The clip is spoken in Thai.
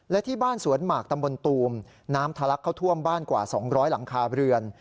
และที่บ้านสวนหมากตำบลตูมน้ำทะลักเข้าท่วมบ้านกว่า๒๐๐หลังคาเรือน